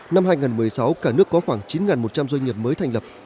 năm hai nghìn một mươi sáu cả nước có khoảng chín một trăm linh doanh nghiệp mới thành lập